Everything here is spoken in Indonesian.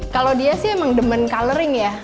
kalau dia sih emang demen coloring ya